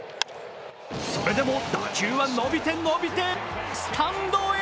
それでも打球は伸びて伸びてスタンドへ。